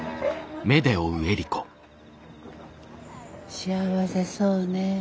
幸せそうね。